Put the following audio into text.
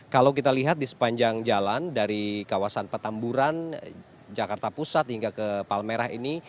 kalau kita lihat di sepanjang jalan dari kawasan petamburan jakarta pusat hingga ke palmerah ini